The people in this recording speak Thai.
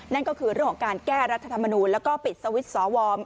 นั่นก็คือเรื่องของการแก้รัฐธรรมนูลแล้วก็ปิดสวิตช์สว